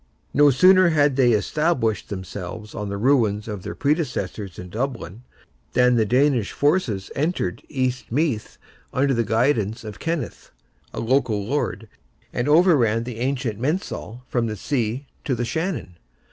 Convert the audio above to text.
No sooner had they established themselves on the ruins of their predecessors in Dublin, than the Danish forces entered East Meath, under the guidance of Kenneth, a local lord, and overran the ancient mensal, from the sea to the Shannon.